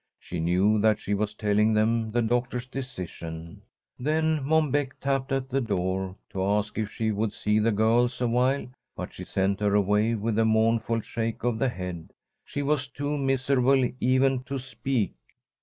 She knew that she was telling them the doctor's decision. Then Mom Beck tapped at the door to ask if she would see the girls awhile, but she sent her away with a mournful shake of the head. She was too miserable even to speak.